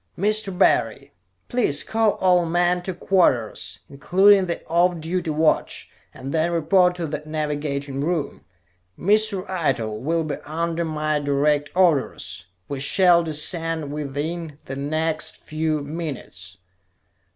"Mr. Barry, please call all men to quarters, including the off duty watch, and then report to the navigating room. Mr. Eitel will be under my direct orders. We shall descend within the next few minutes."